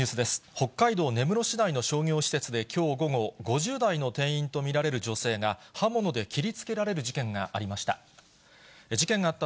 北海道根室市内の商業施設できょう午後、５０代の店員と見られる女性が、刃物で切りつけられる事件がありました。